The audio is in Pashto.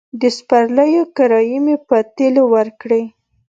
د سپرليو کرايې مې په تيلو ورکړې.